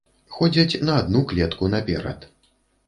Ходзяць на адну клетку наперад.